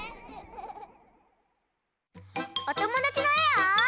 おともだちのえを。